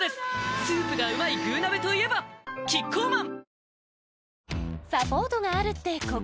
スープがうまい「具鍋」といえばキッコーマン